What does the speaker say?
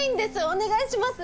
お願いします！